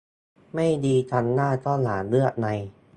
ไม่ดีครั้งหน้าก็อย่าเลือกไง